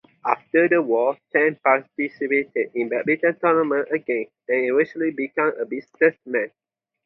After the war, Tan participated in badminton tournaments again and eventually became a businessman.